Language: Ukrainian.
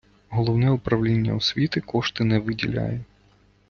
Головне управління освіти кошти не виділяє.